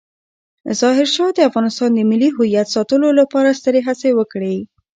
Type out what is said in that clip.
ظاهرشاه د افغانستان د ملي هویت ساتلو لپاره سترې هڅې وکړې.